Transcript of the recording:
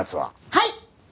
はい！